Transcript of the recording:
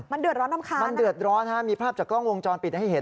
มันเดือดร้อนรำคาญมันเดือดร้อนฮะมีภาพจากกล้องวงจรปิดให้เห็น